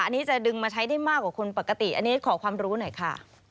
อันนี้จะดึงมาใช้ได้มากกว่าคนปกติอันนี้ขอความรู้หน่อยค่ะ